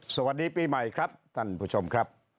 สวัสดีปีใหม่ครับท่านผู้ชมครับ